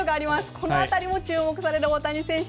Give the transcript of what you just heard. この辺りも注目される大谷選手。